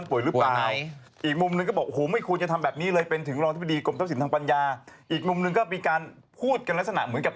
๑๐ปีอย่างนี้หรอ๑๐ปีค่ะ